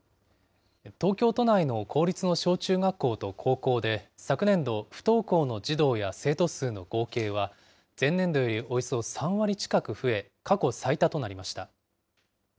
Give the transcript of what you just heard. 東京都内の公立の小中学校と高校で、昨年度、不登校の児童や生徒数の合計は、前年度よりおよそ３割近く増え、過去最多となりました。